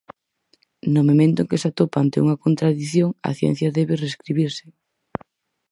No momento en que se atopa ante unha contradición, a ciencia debe reescribirse.